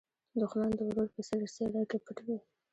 دښمن د ورور په څېره کې پټ وي